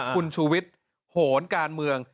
คุณชูวิทย์โหนการเมือง